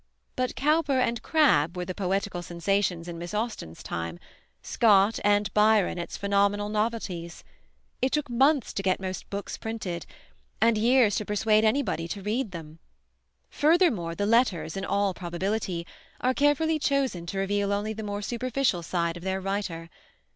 But Cowper and Crabbe were the poetical sensations in Miss Austen's time, Scott and Byron its phenomenal novelties; it took months to get most books printed, and years to persuade anybody to read them. Furthermore the letters, in all probability, are carefully chosen to reveal only the more superficial side of their writer.